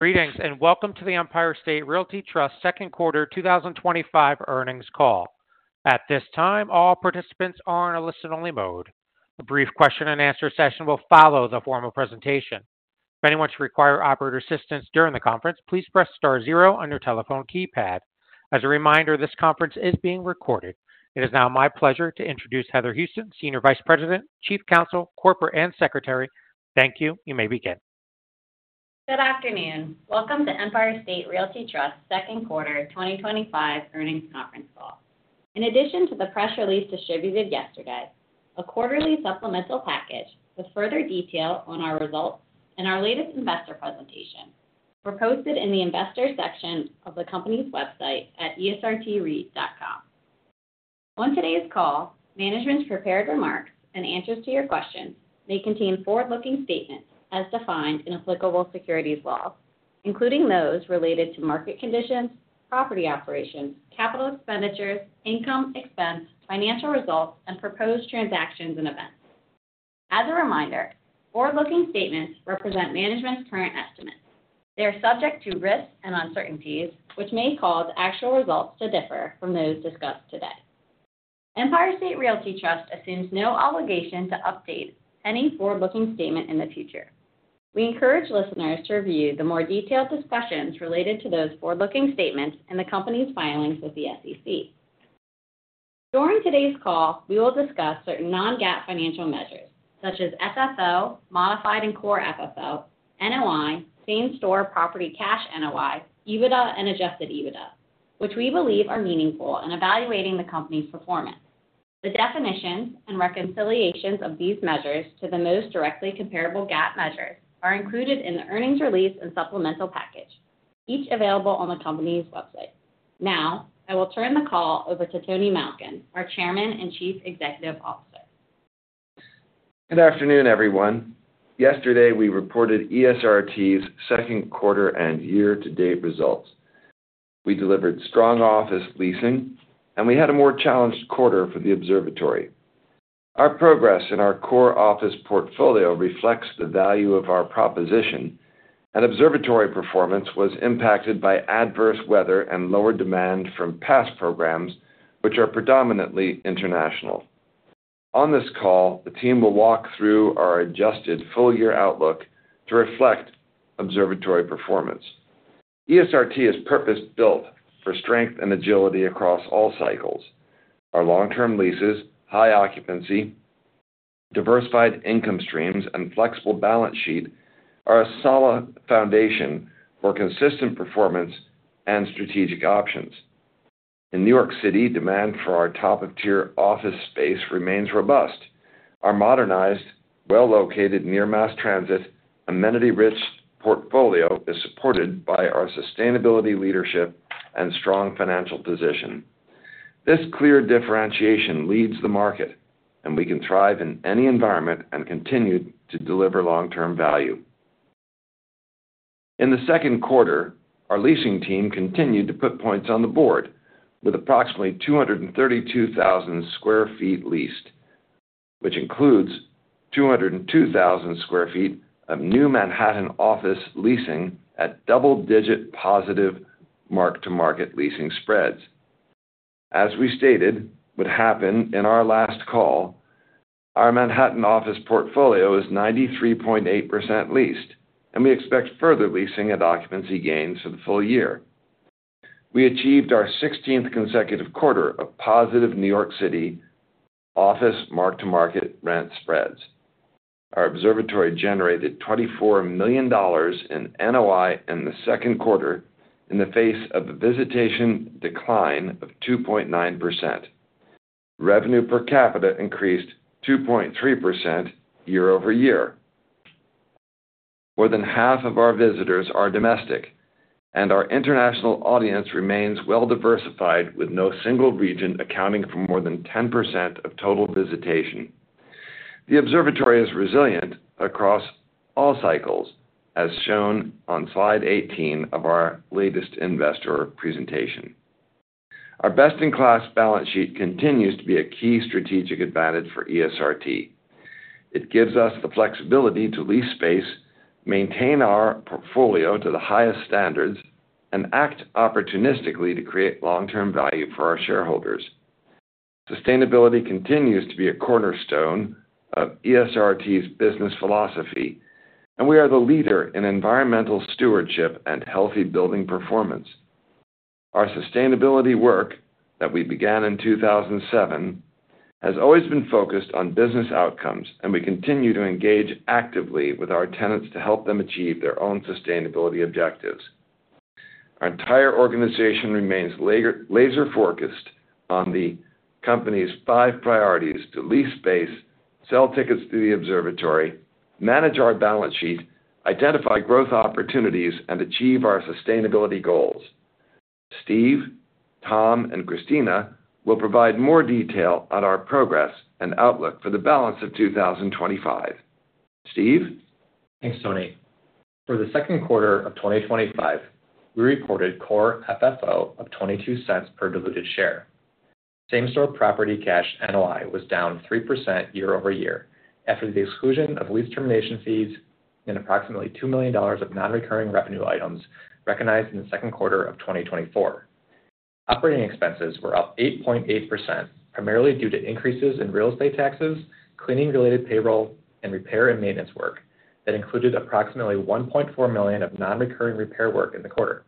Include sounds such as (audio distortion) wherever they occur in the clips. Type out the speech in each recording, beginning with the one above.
Greetings and welcome to the Empire State Realty Trust Second Quarter 2025 Earnings Call. At this time, all participants are in a listen-only mode. A brief question-and-answer session will follow the formal presentation. If anyone should require operator assistance during the conference, please press star zero on your telephone keypad. As a reminder, this conference is being recorded. It is now my pleasure to introduce Heather Houston, Senior Vice President, Chief Counsel, Corporate, and Secretary. Thank you. You may begin. Good afternoon. Welcome to Empire State Realty Trust Second Quarter 2025 earnings conference call. In addition to the press release distributed yesterday, a quarterly supplemental package with further detail on our results and our latest investor presentation were posted in the investor section of the company's website at esrtreit.com. On today's call, management's prepared remarks and answers to your questions may contain forward-looking statements as defined in applicable securities law, including those related to market conditions, property operations, capital expenditures, income, expense, financial results, and proposed transactions and events. As a reminder, forward-looking statements represent management's current estimates. They are subject to risks and uncertainties, which may cause actual results to differ from those discussed today. Empire State Realty Trust assumes no obligation to update any forward-looking statement in the future. We encourage listeners to review the more detailed discussions related to those forward-looking statements and the company's filings with the SEC. During today's call, we will discuss certain non-GAAP financial measures, such as FFO, modified and core FFO, NOI, same-store, property cash NOI, EBITDA, and adjusted EBITDA, which we believe are meaningful in evaluating the company's performance. The definitions and reconciliations of these measures to the most directly comparable GAAP measures are included in the earnings release and supplemental package, each available on the company's website. Now, I will turn the call over to Tony Malkin, our Chairman and Chief Executive Officer. Good afternoon, everyone. Yesterday, we reported ESRT's second quarter and year-to-date results. We delivered strong office leasing, and we had a more challenged quarter for the Observatory. Our progress in our core office portfolio reflects the value of our proposition, and Observatory performance was impacted by adverse weather and lower demand from past programs, which are predominantly international. On this call, the team will walk through our adjusted full-year outlook to reflect Observatory performance. ESRT is purpose-built for strength and agility across all cycles. Our long-term leases, high occupancy, diversified income streams, and flexible balance sheet are a solid foundation for consistent performance and strategic options. In New York City, demand for our top-of-tier office space remains robust. Our modernized, well-located, near-mass transit amenity-rich portfolio is supported by our sustainability leadership and strong financial position. This clear differentiation leads the market, and we can thrive in any environment and continue to deliver long-term value. In the second quarter, our leasing team continued to put points on the board, with approximately 232,000 sq ft leased, which includes 202,000 sq ft of new Manhattan office leasing at double-digit positive mark-to-market leasing spreads. As we stated would happen in our last call, our Manhattan office portfolio is 93.8% leased, and we expect further leasing and occupancy gains for the full year. We achieved our 16th consecutive quarter of positive New York City office mark-to-market rent spreads. Our Observatory generated $24 million in NOI in the second quarter in the face of a visitation decline of 2.9%. Revenue per capita increased 2.3% year-over-year. More than half of our visitors are domestic, and our international audience remains well-diversified, with no single region accounting for more than 10% of total visitation. The Observatory is resilient across all cycles, as shown on slide 18 of our latest investor presentation. Our best-in-class balance sheet continues to be a key strategic advantage for ESRT. It gives us the flexibility to lease space, maintain our portfolio to the highest standards, and act opportunistically to create long-term value for our shareholders. Sustainability continues to be a cornerstone of ESRT's business philosophy, and we are the leader in environmental stewardship and healthy building performance. Our sustainability work that we began in 2007 has always been focused on business outcomes, and we continue to engage actively with our tenants to help them achieve their own sustainability objectives. Our entire organization remains laser-focused on the company's five priorities to lease space, sell tickets through the Observatory, manage our balance sheet, identify growth opportunities, and achieve our sustainability goals. Steve, Tom, and Christina will provide more detail on our progress and outlook for the balance of 2025. Steve? Thanks, Tony. For the second quarter of 2025, we reported core FFO of $0.22 per diluted share. Same-store property cash NOI was down 3% year-over-year after the exclusion of lease termination fees and approximately $2 million of non-recurring revenue items recognized in the second quarter of 2024. Operating expenses were up 8.8%, primarily due to increases in real estate taxes, cleaning-related payroll, and repair and maintenance work that included approximately $1.4 million of non-recurring repair work in the quarter.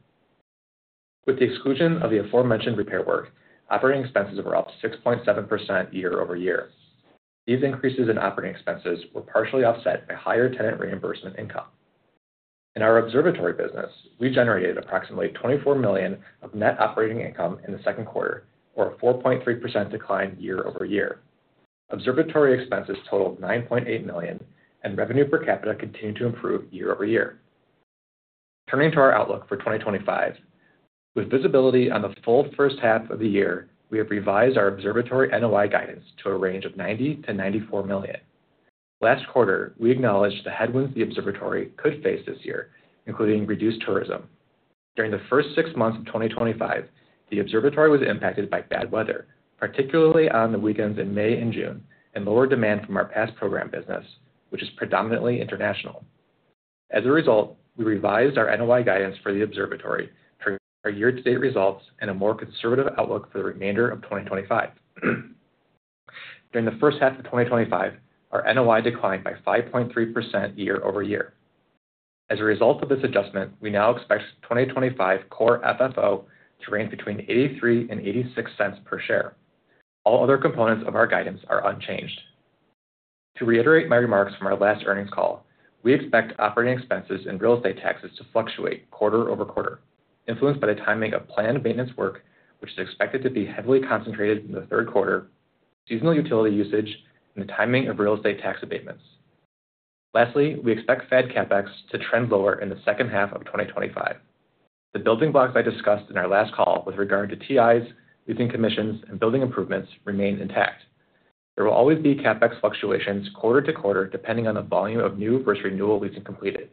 With the exclusion of the aforementioned repair work, operating expenses were up 6.7% year-over-year. These increases in operating expenses were partially offset by higher tenant reimbursement income. In our Observatory business, we generated approximately $24 million of net operating income in the second quarter, or a 4.3% decline year-over-year. Observatory expenses totaled $9.8 million, and revenue per capita continued to improve year-over-year. Turning to our outlook for 2025, with visibility on the full first half of the year, we have revised our Observatory NOI guidance to a range of $90 million-$94 million. Last quarter, we acknowledged the headwinds the Observatory could face this year, including reduced tourism. During the first six months of 2025, the Observatory was impacted by bad weather, particularly on the weekends in May and June, and lower demand from our past program business, which is predominantly international. As a result, we revised our NOI guidance for the Observatory for our year-to-date results and a more conservative outlook for the remainder of 2025. During the first half of 2025, our NOI declined by 5.3% year-over-year. As a result of this adjustment, we now expect 2025 core FFO to range between $0.83 and $0.86 per share. All other components of our guidance are unchanged. To reiterate my remarks from our last earnings call, we expect operating expenses and real estate taxes to fluctuate quarter-over-quarter, influenced by the timing of planned maintenance work, which is expected to be heavily concentrated in the third quarter, seasonal utility usage, and the timing of real estate tax abatements. Lastly, we expect Fed CapEx to trend lower in the second half of 2025. The building blocks I discussed in our last call with regard to TIs, leasing commissions, and building improvements remain intact. There will always be CapEx fluctuations quarter to quarter depending on the volume of new versus renewal leasing completed,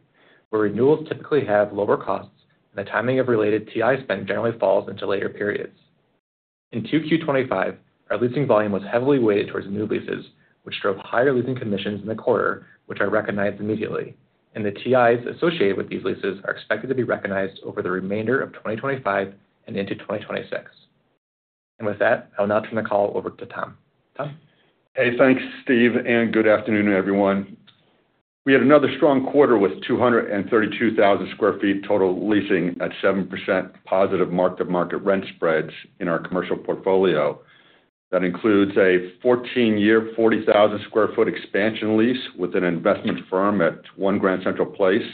where renewals typically have lower costs and the timing of related TI spend generally falls into later periods. In Q2 2025, our leasing volume was heavily weighted towards new leases, which drove higher leasing commissions in the quarter, which are recognized immediately, and the TIs associated with these leases are expected to be recognized over the remainder of 2025 and into 2026. With that, I will now turn the call over to Tom. Tom? Hey, thanks, Steve, and good afternoon, everyone. We had another strong quarter with 232,000 sq ft total leasing at 7% positive mark-to-market rent spreads in our commercial portfolio. That includes a 14-year, 40,000 sq ft expansion lease with an investment firm at One Grand Central Place,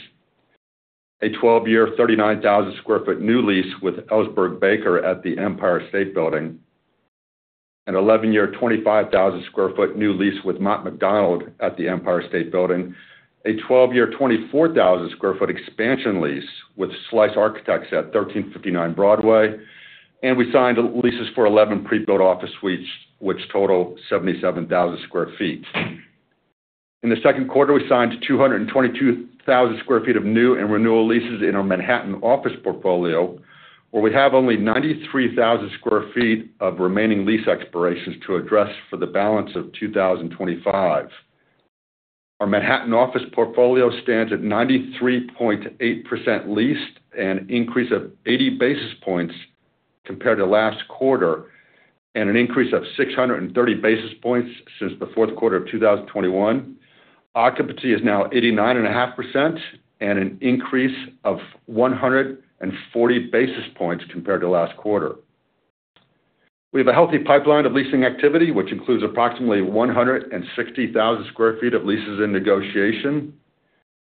a 12-year, 39,000 sq ft new lease with Elsberg Baker at the Empire State Building, an 11-year, 25,000 sq ft new lease with Mott MacDonald at the Empire State Building, a 12-year, 24,000 sq ft expansion lease with Slice Architects at 1359 Broadway, and we signed leases for 11 pre-built office suites, which total 77,000 sq ft. In the second quarter, we signed 222,000 sq ft of new and renewal leases in our Manhattan office portfolio, where we have only 93,000 sq ft of remaining lease expirations to address for the balance of 2025. Our Manhattan office portfolio stands at 93.8% leased, an increase of 80 basis points compared to last quarter, and an increase of 630 basis points since the fourth quarter of 2021. Occupancy is now 89.5%, an increase of 140 basis points compared to last quarter. We have a healthy pipeline of leasing activity, which includes approximately 160,000 sq ft of leases in negotiation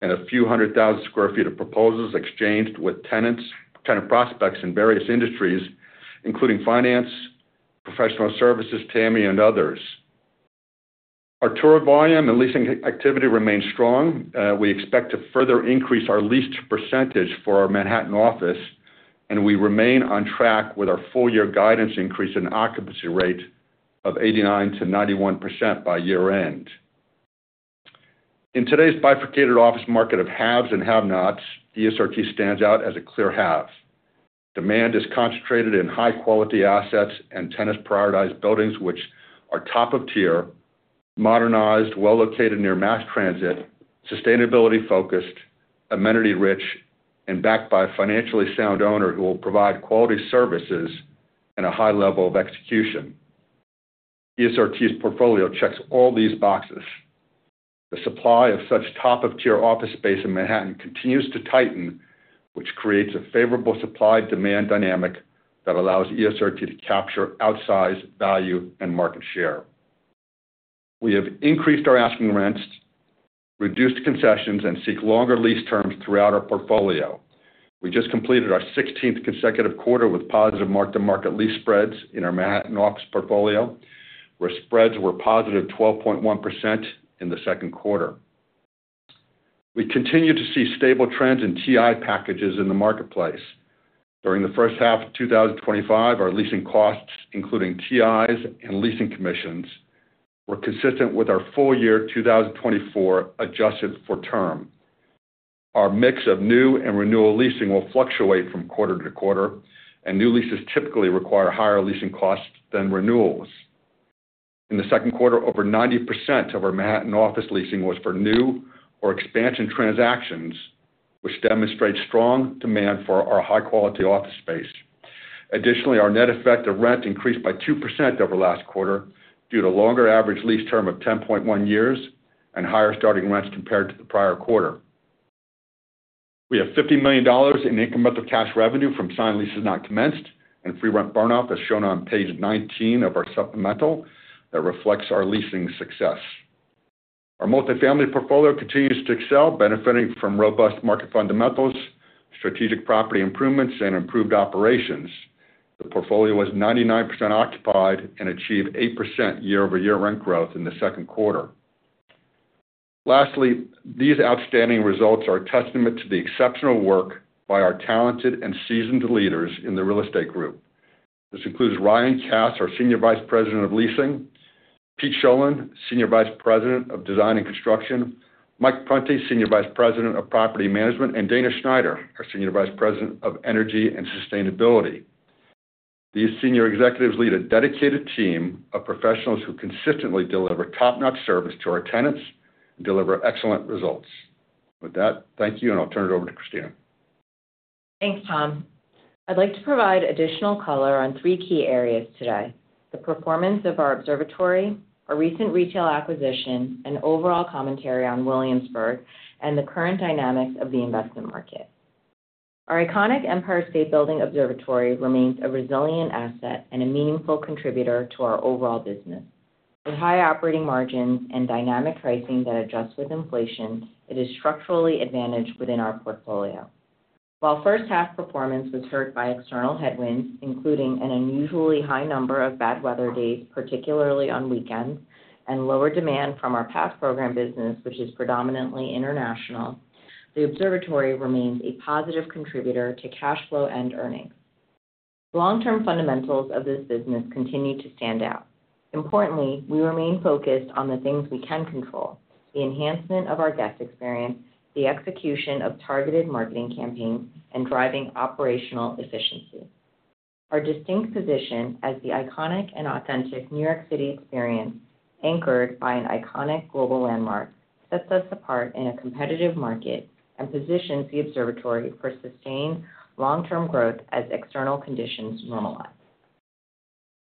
and a few hundred thousand sq ft of proposals exchanged with tenants, tenant prospects in various industries, including finance, professional services, TAMI, and others. Our tour volume and leasing activity remain strong. We expect to further increase our lease percentage for our Manhattan office, and we remain on track with our full-year guidance increase in occupancy rate of 89%-91% by year-end. In today's bifurcated office market of haves and have-nots, ESRT stands out as a clear have. Demand is concentrated in high-quality assets and tenants prioritize buildings which are top-of-tier, modernized, well-located near mass transit, sustainability-focused, amenity-rich, and backed by a financially sound owner who will provide quality services and a high level of execution. ESRT's portfolio checks all these boxes. The supply of such top-of-tier office space in Manhattan continues to tighten, which creates a favorable supply-demand dynamic that allows ESRT to capture outsize value and market share. We have increased our asking rents, reduced concessions, and seek longer lease terms throughout our portfolio. We just completed our 16th consecutive quarter with positive mark-to-market lease spreads in our Manhattan office portfolio, where spreads were positive 12.1% in the second quarter. We continue to see stable trends in TI packages in the marketplace. During the first half of 2025, our leasing costs, including TIs and leasing commissions, were consistent with our full-year 2024 adjusted for term. Our mix of new and renewal leasing will fluctuate from quarter to quarter, and new leases typically require higher leasing costs than renewals. In the second quarter, over 90% of our Manhattan office leasing was for new or expansion transactions, which demonstrates strong demand for our high-quality office space. Additionally, our net effect of rent increased by 2% over last quarter due to a longer average lease term of 10.1 years and higher starting rents compared to the prior quarter. We have $50 million in income after cash revenue from signed leases not commenced and free rent burnoff, as shown on page 19 of our supplemental, that reflects our leasing success. Our multifamily portfolio continues to excel, benefiting from robust market fundamentals, strategic property improvements, and improved operations. The portfolio was 99% occupied and achieved 8% year-over-year rent growth in the second quarter. Lastly, these outstanding results are a testament to the exceptional work by our talented and seasoned leaders in the real estate group. This includes Ryan Cass, our Senior Vice President of Leasing; Pete Schoelen, Senior Vice President of Design and Construction; Mike Prunty, Senior Vice President of Property Management; and Dana Schneider, our Senior Vice President of Energy and Sustainability. These senior executives lead a dedicated team of professionals who consistently deliver top-notch service to our tenants and deliver excellent results. With that, thank you, and I'll turn it over to Christina. Thanks, Tom. I'd like to provide additional color on three key areas today: the performance of our Observatory, our recent retail acquisition, an overall commentary on Williamsburg, and the current dynamics of the investment market. Our iconic Empire State Building Observatory remains a resilient asset and a meaningful contributor to our overall business. With high operating margins and dynamic pricing that adjust with inflation, it is structurally advantaged within our portfolio. While first-half performance was hurt by external headwinds, including an unusually high number of bad weather days, particularly on weekends, and lower demand from our past program business, which is predominantly international, the Observatory remains a positive contributor to cash flow and earnings. Long-term fundamentals of this business continue to stand out. Importantly, we remain focused on the things we can control: the enhancement of our guest experience, the execution of targeted marketing campaigns, and driving operational efficiency. Our distinct position as the iconic and authentic New York City experience, anchored by an iconic global landmark, sets us apart in a competitive market and positions the Observatory for sustained long-term growth as external conditions normalize.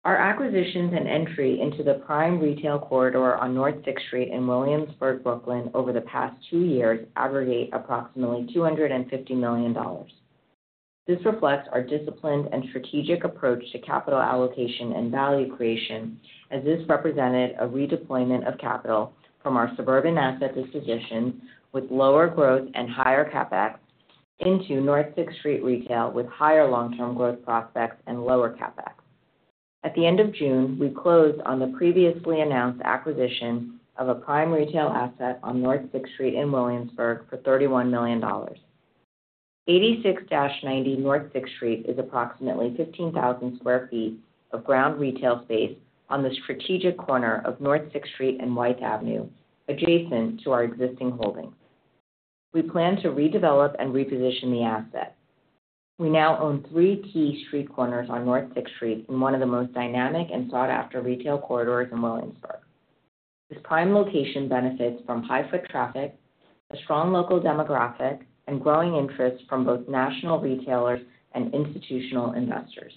Our acquisitions and entry into the prime retail corridor on North 6th Street in Williamsburg, Brooklyn, over the past two years aggregate approximately $250 million. This reflects our disciplined and strategic approach to capital allocation and value creation, as this represented a redeployment of capital from our suburban asset disposition with lower growth and higher CapEx into North 6th Street retail with higher long-term growth prospects and lower CapEx. At the end of June, we closed on the previously announced acquisition of a prime retail asset on North 6th Street in Williamsburg for $31 million. 86-90 North 6th Street is approximately 15,000 sq ft of ground retail space on the strategic corner of North 6th Street and White Avenue, adjacent to our existing holdings. We plan to redevelop and reposition the asset. We now own three key street corners on North 6th Street in one of the most dynamic and sought-after retail corridors in Williamsburg. This prime location benefits from high foot traffic, a strong local demographic, and growing interest from both national retailers and institutional investors.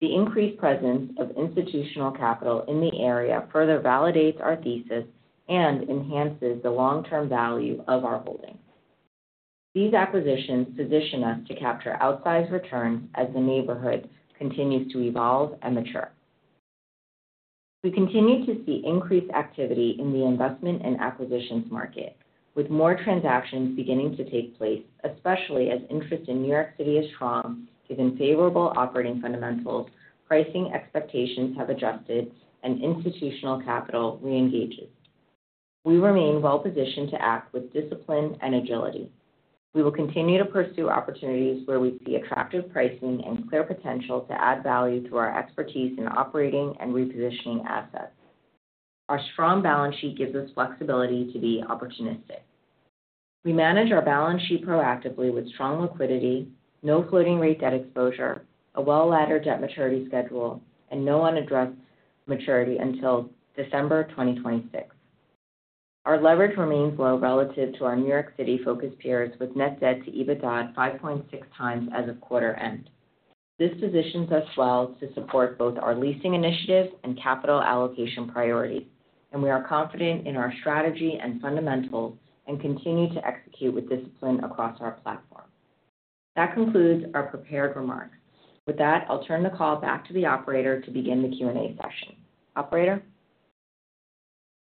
The increased presence of institutional capital in the area further validates our thesis and enhances the long-term value of our holdings. These acquisitions position us to capture outsized returns as the neighborhood continues to evolve and mature. We continue to see increased activity in the investment and acquisitions market, with more transactions beginning to take place, especially as interest in New York City is strong, given favorable operating fundamentals, pricing expectations have adjusted, and institutional capital re-engages. We remain well-positioned to act with discipline and agility. We will continue to pursue opportunities where we see attractive pricing and clear potential to add value through our expertise in operating and repositioning assets. Our strong balance sheet gives us flexibility to be opportunistic. We manage our balance sheet proactively with strong liquidity, no floating rate debt exposure, a well-laddered debt maturity schedule, and no unaddressed maturity until December 2026. Our leverage remains low relative to our New York City-focused peers, with net debt to EBITDA 5.6 times as of quarter end. This positions us well to support both our leasing initiatives and capital allocation priorities, and we are confident in our strategy and fundamentals and continue to execute with discipline across our platform. That concludes our prepared remarks. With that, I'll turn the call back to the operator to begin the Q&A session. Operator?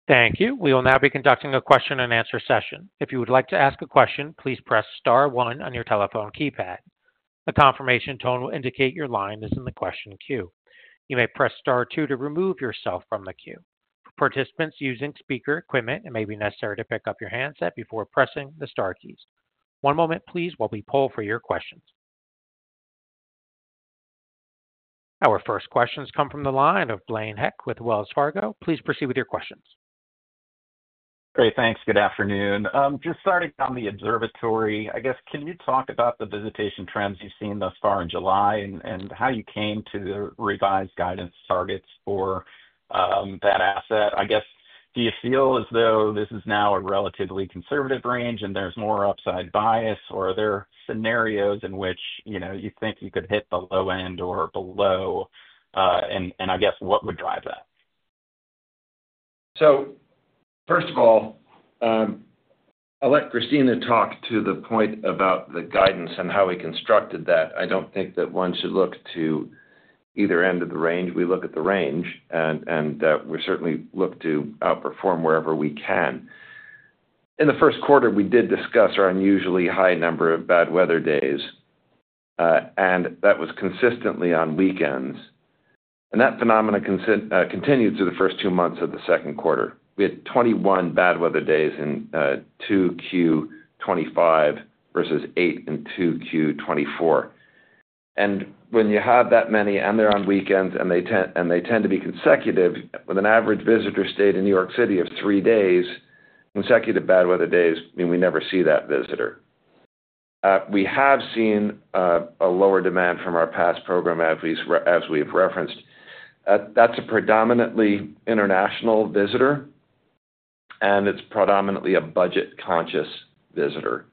Thank you. We will now be conducting a question-and-answer session. If you would like to ask a question, please press star one on your telephone keypad. A confirmation tone will indicate your line is in the question queue. You may press star two to remove yourself from the queue. Participants using speaker equipment may need to pick up your handset before pressing the star keys. One moment, please, while we poll for your questions. Our first questions come from the line of Blaine Heck with Wells Fargo. Please proceed with your questions. Great, thanks. Good afternoon. Just starting on the Observatory, can you talk about the visitation trends you've seen thus far in July and how you came to the revised guidance targets for that asset? Do you feel as though this is now a relatively conservative range and there's more upside bias, or are there scenarios in which you think you could hit the low end or below? What would drive that? First of all, I'll let Christina talk to the point about the guidance and how we constructed that. I don't think that one should look to either end of the range. We look at the range, and we certainly look to outperform wherever we can. In the first quarter, we did discuss our unusually high number of bad weather days, and that was consistently on weekends. That phenomenon continued through the first two months of the second quarter. We had 21 bad weather days in Q2 2025 versus eight in Q2 2024. When you have that many, and they're on weekends, and they tend to be consecutive, with an average visitor stay to New York City of three days, consecutive bad weather days mean we never see that visitor. We have seen a lower demand from our past program, as we've referenced. That's a predominantly international visitor, and it's predominantly a budget-conscious visitor.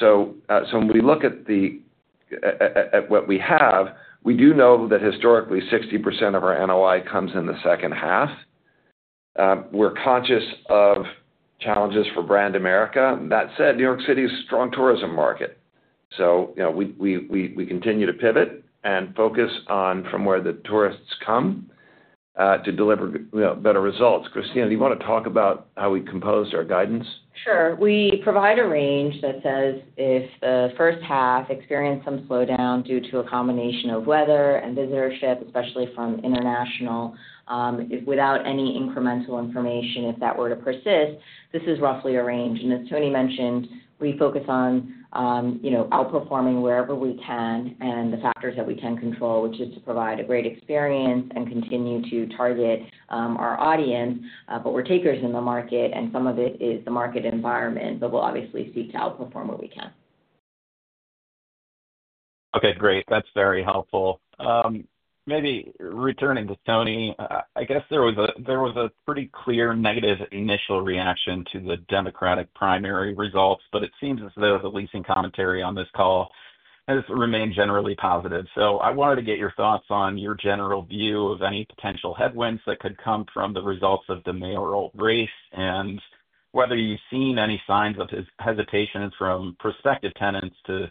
When we look at what we have, we do know that historically 60% of our NOI comes in the second half. We're conscious of challenges for brand America. That said, New York City is a strong tourism market. We continue to pivot and focus on from where the tourists come to deliver better results. Christina, do you want to talk about how we composed our guidance? Sure. We provide a range that says if the first half experienced some slowdown due to a combination of weather and visitorship, especially from international, without any incremental information if that were to persist, this is roughly a range. As Tony mentioned, we focus on outperforming wherever we can and the factors that we can control, which is to provide a great experience and continue to target our audience. We are takers in the market, and some of it is the market environment, but we will obviously seek to outperform where we can. Okay, great. That's very helpful. Maybe returning to Tony, I guess there was a pretty clear negative initial reaction to the Democratic primary results, but it seems as though the leasing commentary on this call has remained generally positive. I wanted to get your thoughts on your general view of any potential headwinds that could come from the results of the mayoral race and whether you've seen any signs of hesitation from prospective tenants to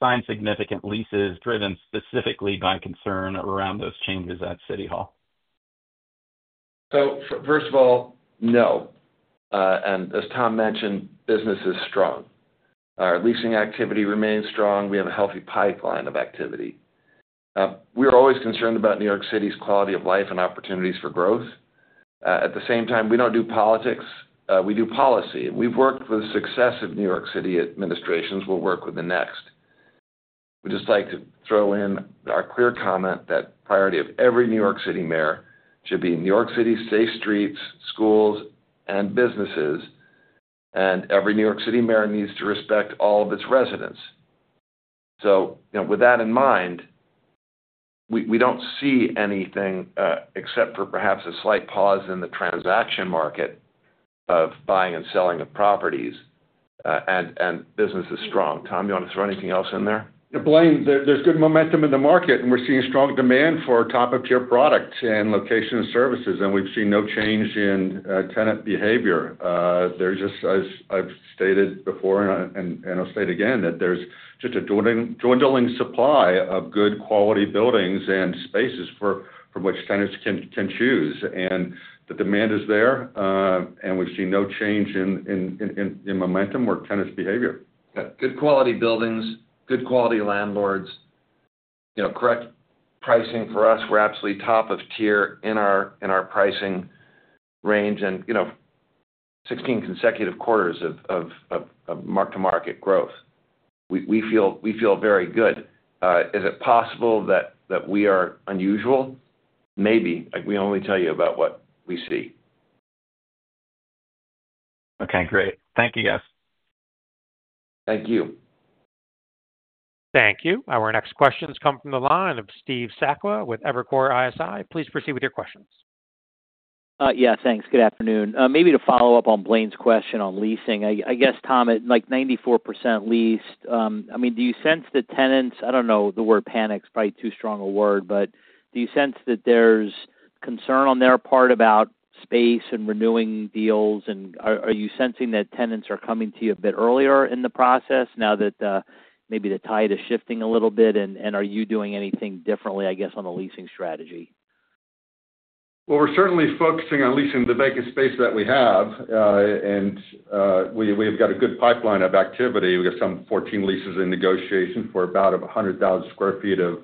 sign significant leases driven specifically by concern around those changes at City Hall. No. As Tom mentioned, business is strong. Our leasing activity remains strong, and we have a healthy pipeline of activity. We're always concerned about New York City's quality of life and opportunities for growth. At the same time, we don't do politics, we do policy, and we've worked with the success of New York City administrations. We'll work with the next. We just like to throw in our clear comment that the priority of every New York City mayor should be New York City's safe streets, schools, and businesses. Every New York City mayor needs to respect all of its residents. With that in mind, we don't see anything except for perhaps a slight pause in the transaction market of buying and selling of properties, and business is strong. Tom, you want to throw anything else in there? Blaine, there's good momentum in the market, and we're seeing strong demand for top-of-tier products and location services. We've seen no change in tenant behavior. As I've stated before and I'll state again, there's just a dwindling supply of good quality buildings and spaces from which tenants can choose. The demand is there, and we've seen no change in momentum or tenant behavior. Good quality buildings, good quality landlords, correct pricing for us. We're absolutely top of tier in our pricing range, and 16 consecutive quarters of mark-to-market growth. We feel very good. Is it possible that we are unusual? Maybe. We only tell you about what we see. Okay, great. Thank you, guys. Thank you. Thank you. Our next questions come from the line of Steve Sakwa with Evercore ISI. Please proceed with your questions. Yeah, thanks. Good afternoon. Maybe to follow up on Blaine's question on leasing, I guess, Tom, at like 94% leased, do you sense the tenants, I don't know, the word panic is probably too strong a word, but do you sense that there's concern on their part about space and renewing deals, and are you sensing that tenants are coming to you a bit earlier in the process now that maybe the tide is shifting a little bit, and are you doing anything differently, I guess, on the leasing strategy? We are certainly focusing on leasing the vacant space that we have, and we've got a good pipeline of activity. We've got some 14 leases in negotiation for about 100,000 sq ft of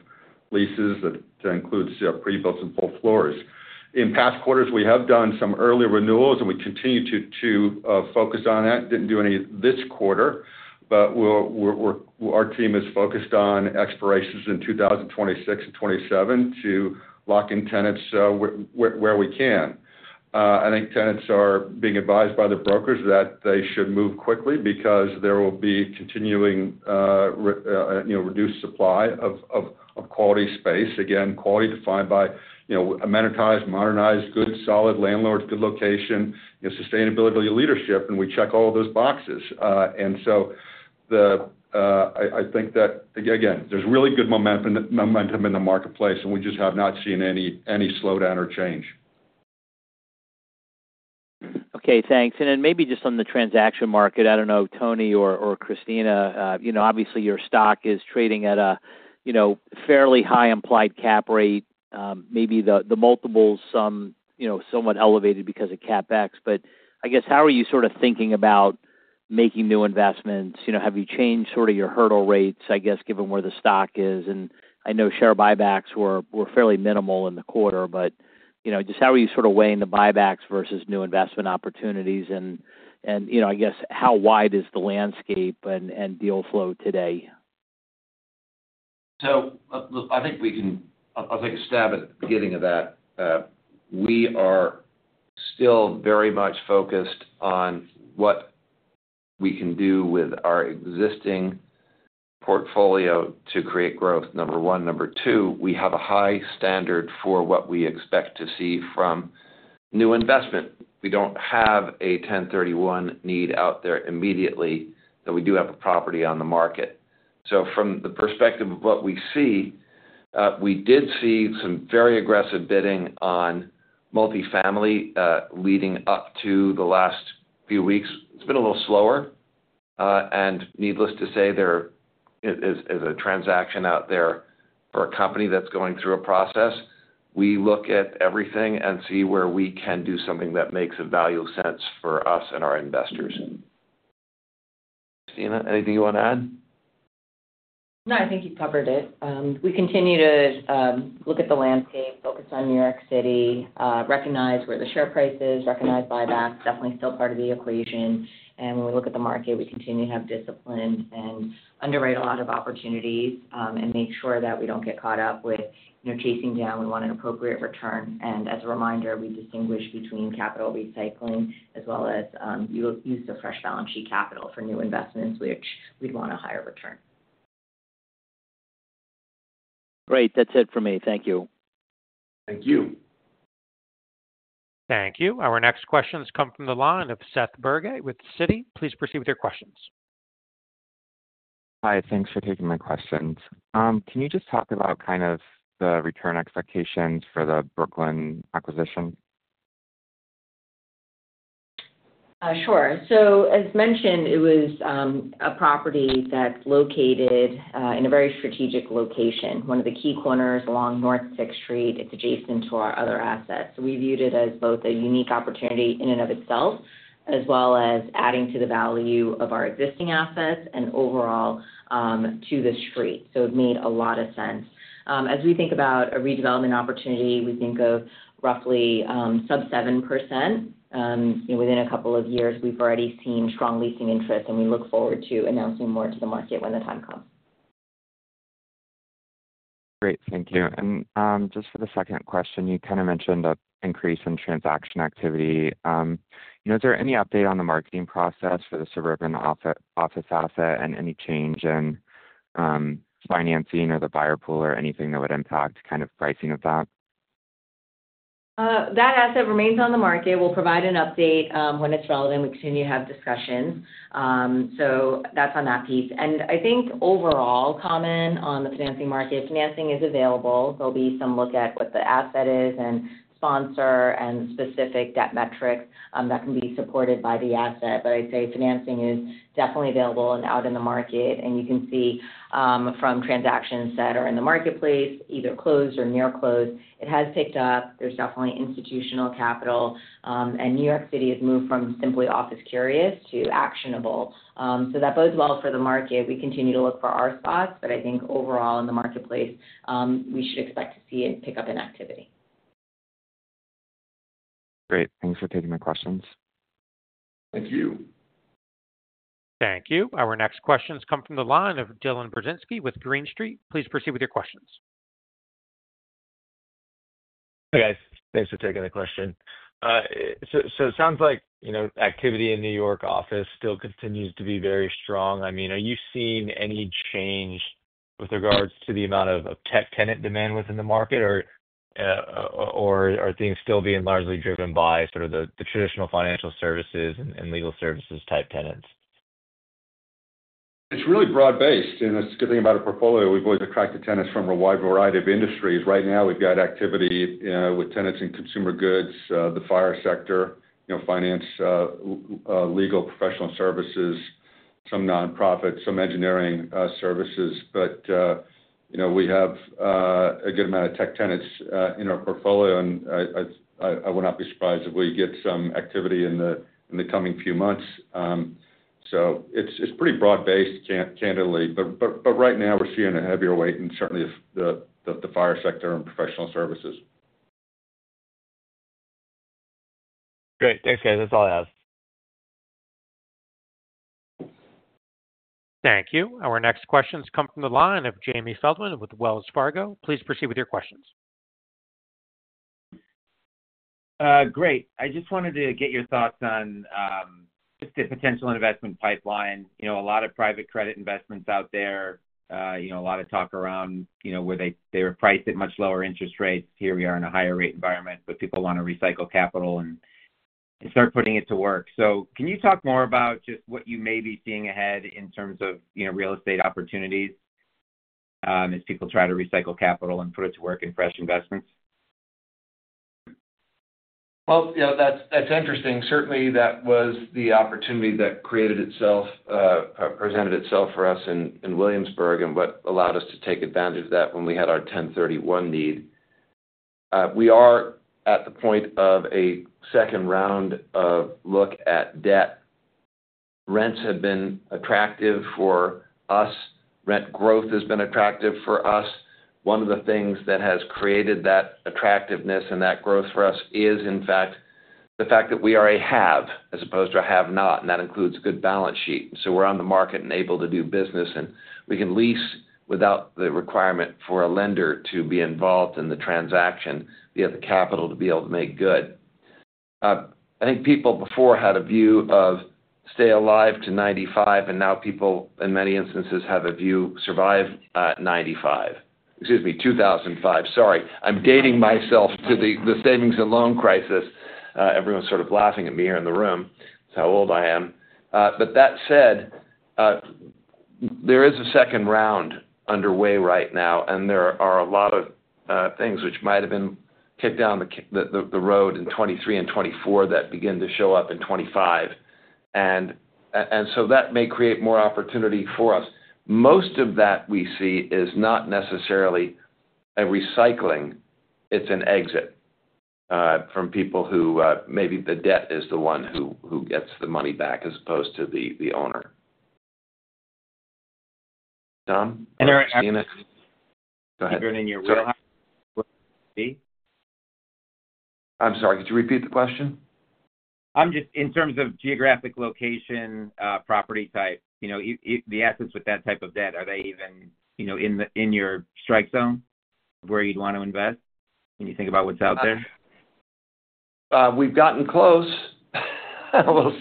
leases that includes pre-builts and full floors. In past quarters, we have done some early renewals, and we continue to focus on that. Didn't do any this quarter, but our team is focused on expirations in 2026 and 2027 to lock in tenants where we can. I think tenants are being advised by their brokers that they should move quickly because there will be continuing reduced supply of quality space. Again, quality defined by amenity-rich, modernized, good solid landlords, good location, sustainability leadership, and we check all of those boxes. I think that, again, there's really good momentum in the marketplace, and we just have not seen any slowdown or change. Okay, thanks. Maybe just on the transaction market, I don't know, Tony or Christina, obviously your stock is trading at a fairly high implied cap rate. Maybe the multiples are somewhat elevated because of CapEx, but I guess how are you sort of thinking about making new investments? Have you changed sort of your hurdle rates, I guess, given where the stock is? I know share buybacks were fairly minimal in the quarter, but just how are you sort of weighing the buybacks versus new investment opportunities? I guess how wide is the landscape and deal flow today? I think we can, I'll take a stab at the beginning of that. We are still very much focused on what we can do with our existing portfolio to create growth, number one. Number two, we have a high standard for what we expect to see from new investment. We don't have a 1031 need out there immediately, though we do have a property on the market. From the perspective of what we see, we did see some very aggressive bidding on multifamily leading up to the last few weeks. It's been a little slower, and needless to say, there is a transaction out there for a company that's going through a process. We look at everything and see where we can do something that makes a value sense for us and our investors. Christina, anything you want to add? No, I think you covered it. We continue to look at the landscape, focus on New York City, recognize where the share price is, recognize buybacks, definitely still part of the equation. When we look at the market, we continue to have discipline and underwrite a lot of opportunities and make sure that we don't get caught up with chasing down. We want an appropriate return. As a reminder, we distinguish between capital recycling as well as the use of fresh balance sheet capital for new investments, which we'd want a higher return. Great, that's it for me. Thank you. Thank you. Thank you. Our next questions come from the line of Seth Bergey with Citi. Please proceed with your questions. Hi, thanks for taking my questions. Can you just talk about kind of the return expectations for the Brooklyn acquisition? Sure. As mentioned, it was a property that's located in a very strategic location, one of the key corners along North 6th Street. It's adjacent to our other assets. We viewed it as both a unique opportunity in and of itself, as well as adding to the value of our existing assets and overall to the street. It made a lot of sense. As we think about a redevelopment opportunity, we think of roughly sub 7%. Within a couple of years, we've already seen strong leasing interest, and we look forward to announcing more to the market when the time comes. Great, thank you. Just for the second question, you kind of mentioned an increase in transaction activity. Is there any update on the marketing process for the suburban office asset, and any change in financing or the buyer pool or anything that would impact kind of pricing of that? That asset remains on the market. We'll provide an update when it's relevant. We continue to have discussions. That's on that piece. I think overall, comment on the financing market, financing is available. There will be some look at what the asset is and sponsor and specific debt metrics that can be supported by the asset. I'd say financing is definitely available and out in the market. You can see from transactions that are in the marketplace, either closed or near closed, it has picked up. There is definitely institutional capital. New York City has moved from simply office-curious to actionable. That bodes well for the market. We continue to look for our spots. I think overall in the marketplace, we should expect to see it pick up in activity. Great, thanks for taking my questions. Thank you. Thank you. Our next questions come from the line of Dylan Burzinski with Green Street. Please proceed with your questions. Hey, guys, thanks for taking the question. It sounds like, you know, activity in New York office still continues to be very strong. I mean, are you seeing any change with regards to the amount of tech tenant demand within the market, or are things still being largely driven by sort of the traditional financial services and legal services type tenants? It's really broad-based, and that's the good thing about a portfolio. We've attracted tenants from a wide variety of industries. Right now, we've got activity with tenants in consumer goods, the FIRE sector, finance, legal, professional services, some nonprofits, some engineering services. We have a good amount of tech tenants in our portfolio, and I will not be surprised if we get some activity in the coming few months. It's pretty broad-based, candidly. Right now, we're seeing a heavier weight in certainly the FIRE sector and professional services. Great, thanks, guys. That's all I have. Thank you. Our next questions come from the line of Jamie Feldman with Wells Fargo. Please proceed with your questions. Great. I just wanted to get your thoughts on a potential investment pipeline. You know, a lot of private credit investments out there, a lot of talk around where they were priced at much lower interest rates. Here we are in a higher rate environment, but people want to recycle capital and start putting it to work. Can you talk more about what you may be seeing ahead in terms of real estate opportunities as people try to recycle capital and put it to work in fresh investments? That's interesting. Certainly, that was the opportunity that presented itself for us in Williamsburg and what allowed us to take advantage of that when we had our 1031 need. We are at the point of a second round of look at debt. Rents have been attractive for us. Rent growth has been attractive for us. One of the things that has created that attractiveness and that growth for us is, in fact, the fact that we are a have as opposed to a have not, and that includes a good balance sheet. We're on the market and able to do business, and we can lease without the requirement for a lender to be involved in the transaction. We have the capital to be able to make good. I think people before had a view of stay alive to 1995, and now people in many instances have a view survive 1995. Excuse me, 2005. Sorry, I'm dating myself to the savings and loan crisis. Everyone's sort of laughing at me here in the room. It's how old I am. That said, there is a second round underway right now, and there are a lot of things which might have been kicked down the road in 2023 and 2024 that begin to show up in 2025. That may create more opportunity for us. Most of that we see is not necessarily a recycling. It's an exit from people who maybe the debt is the one who gets the money back as opposed to the owner. Tom? (audio distortion) I'm sorry, could you repeat the question? In terms of geographic location, property type, the assets with that type of debt, are they even in your strike zone of where you'd want to invest? Can you think about what's out there? We've gotten close. We'll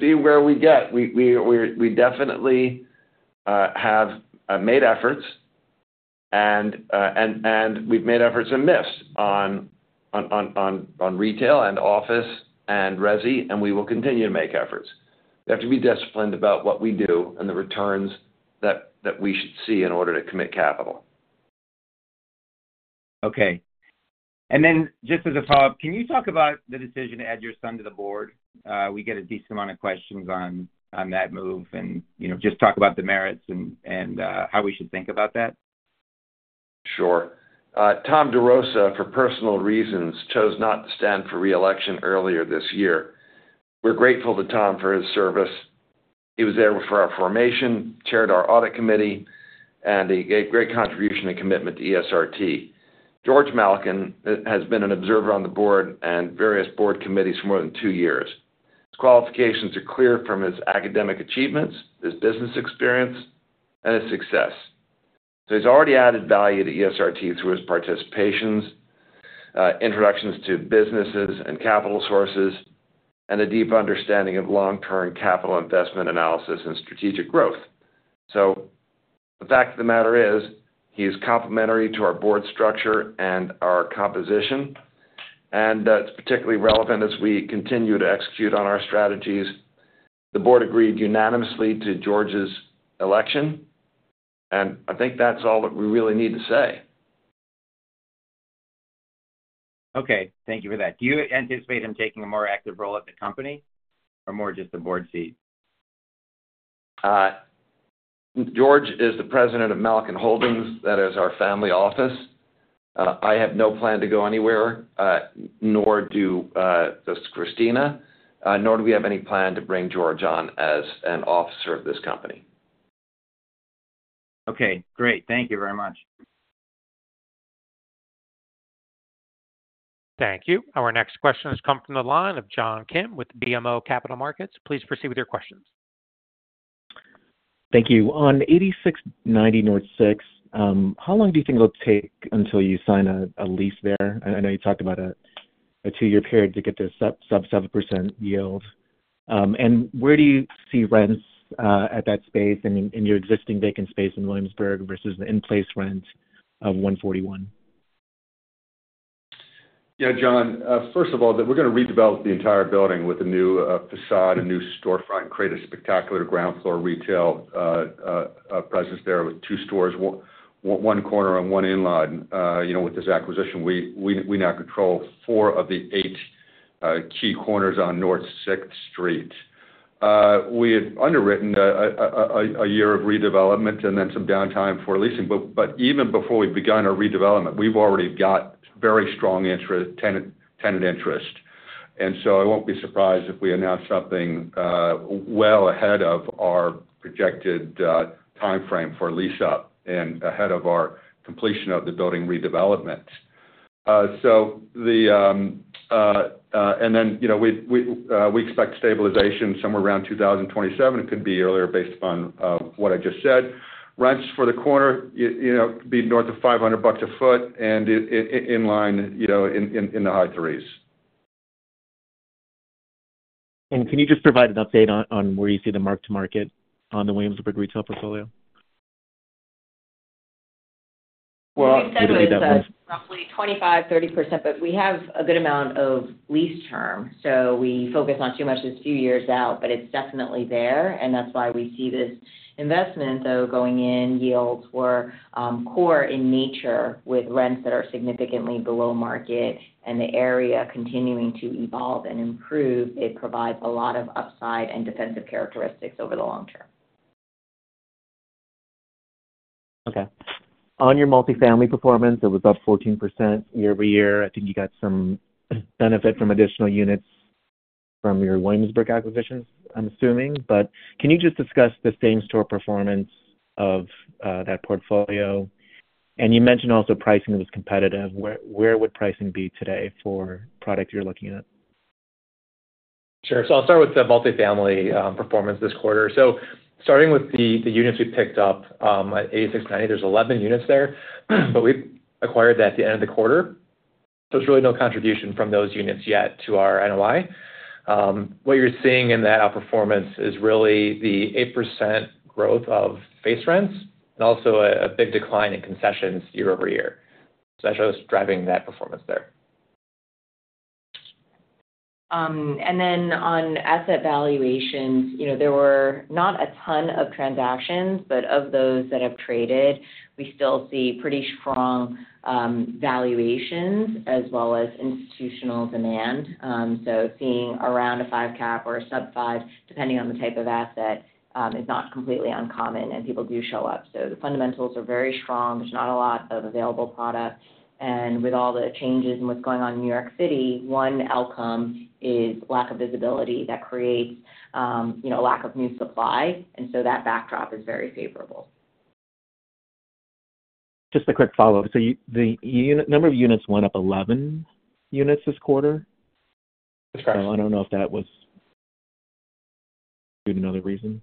see where we get. We definitely have made efforts, and we've made efforts and missed on retail and office and resi, and we will continue to make efforts. We have to be disciplined about what we do and the returns that we should see in order to commit capital. Okay. Just as a follow-up, can you talk about the decision to add your son to the board? We get a decent amount of questions on that move, and just talk about the merits and how we should think about that. Sure. Tom DeRosa, for personal reasons, chose not to stand for reelection earlier this year. We're grateful to Tom for his service. He was there for our formation, chaired our Audit Committee, and he gave a great contribution and commitment to Empire State Realty Trust. George Malkin has been an observer on the board and various board committees for more than two years. His qualifications are clear from his academic achievements, his business experience, and his success. He's already added value to Empire State Realty Trust through his participations, introductions to businesses and capital sources, and a deep understanding of long-term capital investment analysis and strategic growth. The fact of the matter is he is complementary to our board structure and our composition, and it's particularly relevant as we continue to execute on our strategies. The board agreed unanimously to George's election, and I think that's all that we really need to say. Okay, thank you for that. Do you anticipate him taking a more active role at the company or more just the board seat? George is the President of Malkin Holdings. That is our family office. I have no plan to go anywhere, nor does Christina, nor do we have any plan to bring George on as an officer of this company. Okay, great. Thank you very much. Thank you. Our next questions come from the line of John Kim with BMO Capital Markets. Please proceed with your questions. Thank you. On 86-90 North 6th Street, how long do you think it'll take until you sign a lease there? I know you talked about a two-year period to get to sub 7% yield. Where do you see rents at that space and in your existing vacant space in Williamsburg versus the in-place rent of $141? Yeah, John, first of all, we're going to redevelop the entire building with a new facade, a new storefront, and create a spectacular ground floor retail presence there with two stores, one corner and one inline. With this acquisition, we now control four of the eight key corners on North 6th Street. We had underwritten a year of redevelopment and then some downtime for leasing. Even before we've begun a redevelopment, we've already got very strong tenant interest. I won't be surprised if we announce something well ahead of our projected timeframe for lease-up and ahead of our completion of the building redevelopment. We expect stabilization somewhere around 2027. It could be earlier based upon what I just said. Rents for the corner being north of $500 a foot and inline in the high $300s. Can you just provide an update on where you see the mark-to-market on the Williamsburg retail portfolio? It's definitely roughly 25% to 30%, but we have a good amount of lease term. We focus on too much this few years out, but it's definitely there. That's why we see this investment, though, going in yields were core in nature with rents that are significantly below market and the area continuing to evolve and improve. They provide a lot of upside and defensive characteristics over the long term. Okay. On your multifamily performance, it was up 14% year over year. I think you got some benefit from additional units from your Williamsburg acquisitions, I'm assuming. Can you just discuss the same store performance of that portfolio? You mentioned also pricing was competitive. Where would pricing be today for products you're looking at? Sure. I'll start with the multifamily performance this quarter. Starting with the units we picked up at 86-90 North 6th Street, there's 11 units there, but we acquired that at the end of the quarter. There's really no contribution from those units yet to our NOI. What you're seeing in that outperformance is really the 8% growth of base rents and also a big decline in concessions year over year. That's what's driving that performance there. On asset valuations, there were not a ton of transactions, but of those that have traded, we still see pretty strong valuations as well as institutional demand. Seeing around a 5% cap or a sub 5%, depending on the type of asset, is not completely uncommon, and people do show up. The fundamentals are very strong. There's not a lot of available product. With all the changes and what's going on in New York City, one outcome is lack of visibility that creates a lack of new supply. That backdrop is very favorable. Just a quick follow-up. The number of units went up 11 units this quarter. I don't know if that was another reason.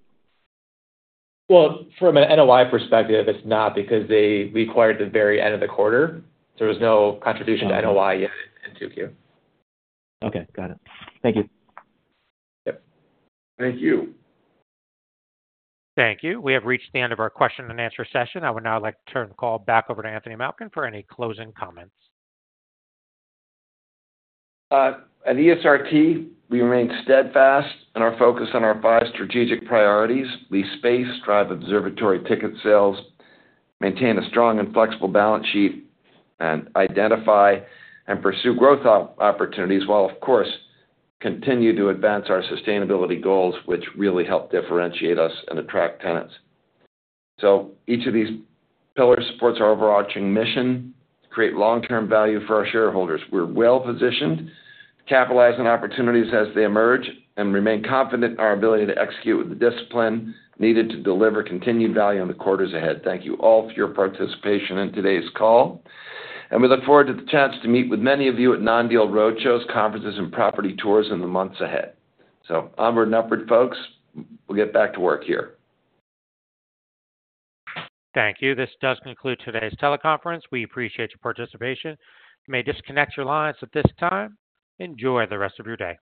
From an NOI perspective, it's not because we acquired at the very end of the quarter. There was no contribution to NOI yet in 2Q. Okay, got it. Thank you. Yep. Thank you. Thank you. We have reached the end of our question and answer session. I would now like to turn the call back over to Anthony Malkin for any closing comments. State Realty Trust, we remain steadfast in our focus on our five strategic priorities: lease space, drive Empire State Building Observatory ticket sales, maintain a strong and flexible balance sheet, and identify and pursue growth opportunities while, of course, continuing to advance our sustainability goals, which really help differentiate us and attract tenants. Each of these pillars supports our overarching mission to create long-term value for our shareholders. We're well-positioned, capitalizing on opportunities as they emerge, and remain confident in our ability to execute with the discipline needed to deliver continued value in the quarters ahead. Thank you all for your participation in today's call. We look forward to the chance to meet with many of you at non-deal roadshows, conferences, and property tours in the months ahead. Onward and upward, folks. We'll get back to work here. Thank you. This does conclude today's teleconference. We appreciate your participation. You may disconnect your lines at this time. Enjoy the rest of your day.